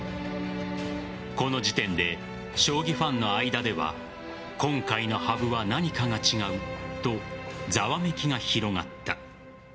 この時点で将棋ファンの間では今回の羽生は何かが違うとざわめきが広がった。